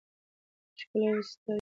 ښکلا وستایئ.